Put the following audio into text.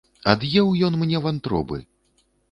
Ад'еў ён мне вантробы!